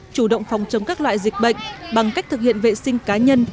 chủ động phòng chống các loại dịch bệnh bằng cách thực hiện vệ sinh cá nhân